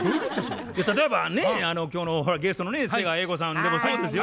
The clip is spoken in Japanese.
例えばね今日のほらゲストの瀬川瑛子さんでもそうですよ。